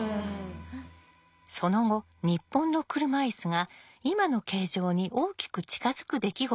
その後日本の車いすが今の形状に大きく近づく出来事が起こります。